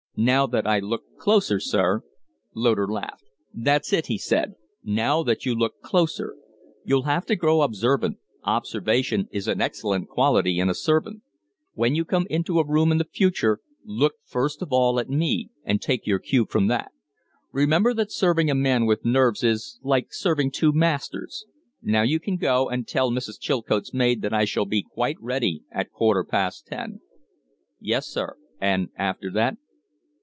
"Now that I look closer, sir " Loder laughed. "That's it!" he said. "Now that you look closer. You'll have to grow observant: observation is an excellent quality in a servant. Wheat you come into a room in future, look first of all at me and take your cue from that. Remember that serving a man with nerves is like serving two masters. Now you can go; and tell Mrs. Chilcote's maid that I shall be quite ready at a quarter past ten." "Yes, sir. And after that?"